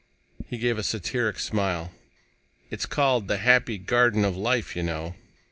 He gave a satiric smile. "It's called 'The Happy Garden of Life,' you know."